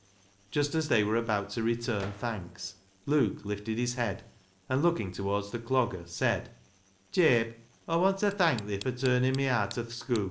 Just as they were about to return thanks, Luke lifted his head, and looking towards the Clogger, said — "Jabe, Awwant ta thank thi fur turnin' me aat o' th' schoo'."